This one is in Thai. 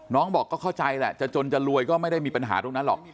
น้องบอกก็เข้าใจแหละจะจนจะรวยก็ไม่ได้มีปัญหาตรงนั้นหรอก